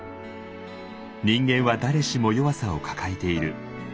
人間は誰しも弱さを抱えている。